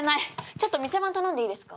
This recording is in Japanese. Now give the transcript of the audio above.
ちょっと店番頼んでいいですか？